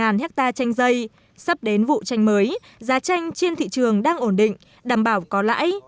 từ một hectare tranh dây sắp đến vụ tranh mới giá tranh trên thị trường đang ổn định đảm bảo có lãi